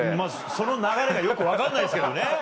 その流れがよく分かんないんですけどね。